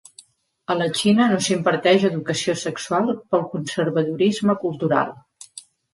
A la Xina no s"imparteix educació sexual pel conservadorisme cultural.